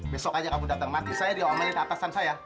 besok aja kamu datang mati saya di awal melit atasan saya